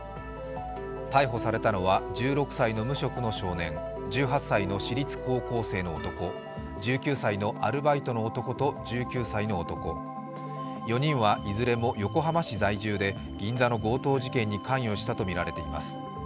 逮捕されたのは、１６歳の無職の少年１８歳の私立高校生の男１９歳のアルバイトの男と１９歳の男、４人はいずれも横浜市在住で銀座の強盗事件に関与したとみられています。